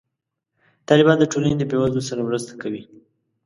طالبان د ټولنې د بې وزلو سره مرسته کوي.